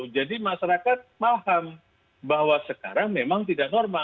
masyarakat paham bahwa sekarang memang tidak normal